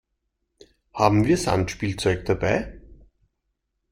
Haben wir Sandspielzeug dabei?